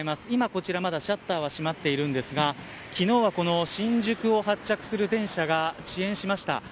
今こちらシャッターは閉まっていますが昨日は新宿を発着する電車が遅延しました。